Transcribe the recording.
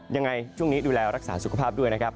ยังไงช่วงนี้ดูแลรักษาสุขภาพด้วยนะครับ